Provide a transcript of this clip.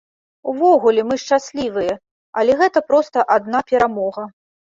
Увогуле, мы шчаслівыя, але гэта проста адна перамога.